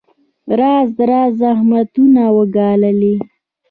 راز راز زحمتونه وګاللې.